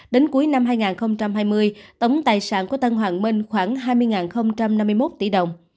đến cuối năm hai nghìn hai mươi tổng tài sản của tân hoàng minh khoảng hai mươi năm mươi một tỷ đồng